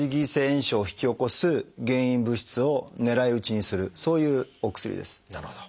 炎症を引き起こす原因物質を狙い撃ちにするそういうお薬です。